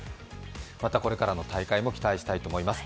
また、これからの大会も期待したいと思います。